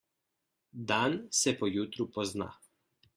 Dan se po jutru pozna.